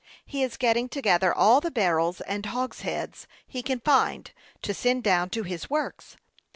He is getting together all the barrels and hogsheads he can find, to send down to his works.